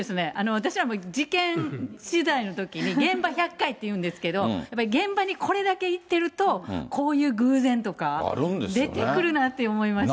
私らも、事件取材のときに、現場１００回っていうんですけど、やっぱ現場にこれだけ行ってると、こういう偶然とか出てくるなって思いました。